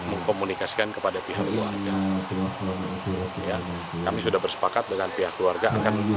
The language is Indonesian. mengkomunikasikan kepada pihak keluarga ya kami sudah bersepakat dengan pihak keluarga akan